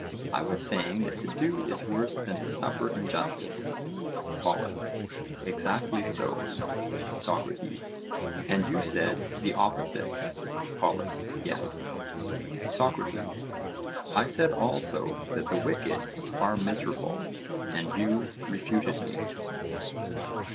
I was saying that to do is worse than to suffer injustice? POLUS: Exactly so. SOCRATES: And you said the opposite? POLUS: Yes. SOCRATES: I said also that the wicked are miserable, and you refuted me?